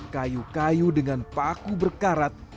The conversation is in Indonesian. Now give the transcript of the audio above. kayu kayu dengan paku berkarat